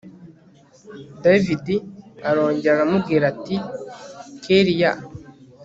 david arongera aramubwira ati kellia